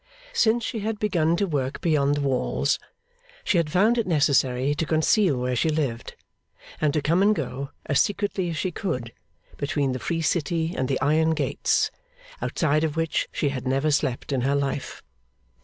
Since she had begun to work beyond the walls, she had found it necessary to conceal where she lived, and to come and go as secretly as she could, between the free city and the iron gates, outside of which she had never slept in her life.